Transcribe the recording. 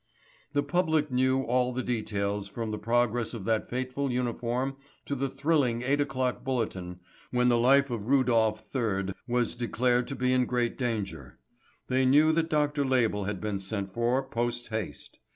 The public knew all the details from the progress of that fateful uniform to the thrilling eight o'clock bulletin when the life of Rudolph III. was declared to be in great danger. They knew that Dr. Label had been sent for post haste.